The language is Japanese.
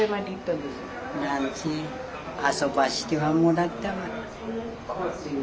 何せ遊ばせてはもらったわ。